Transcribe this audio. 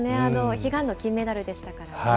悲願の金メダルでしたからね。